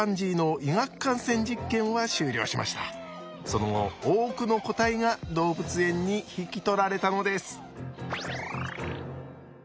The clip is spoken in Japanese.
その後多くの個体が動物園に引き取られたのです。